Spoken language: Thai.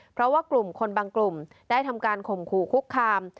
เพราะว่ากลุ่มคนบางกลุ่มได้ทำการข่มขู่คุกคาม